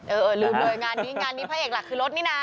เออลืมเลยงานนี้งานนี้พระเอกหลักคือรถนี่นะ